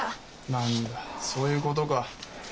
何だそういうことか。